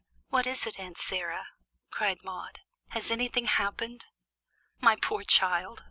"What is it, Aunt Sarah?" cried Maude. "Has anything happened?" "My poor child!